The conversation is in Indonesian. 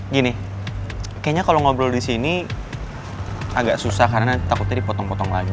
gini kayaknya kalau ngobrol di sini agak susah karena takutnya dipotong potong lagi